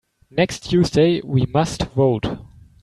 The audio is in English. Next Tuesday we must vote.